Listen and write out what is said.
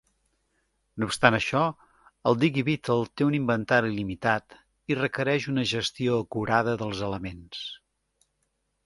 No obstant això, el Digi-Beetle té un inventari limitat, i requereix una gestió acurada dels elements.